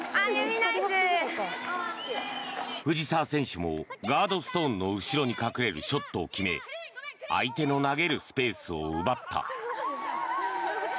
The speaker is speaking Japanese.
藤澤選手もガードストーンの後ろに隠れるショットを決め相手の投げるスペースを奪った。